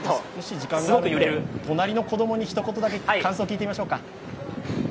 隣の子供に、ひと言だけ感想聞いてみましょうか。